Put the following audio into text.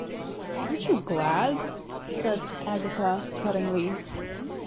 “Aren’t you glad?” said Agatha cuttingly.